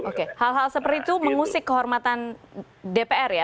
oke hal hal seperti itu mengusik kehormatan dpr ya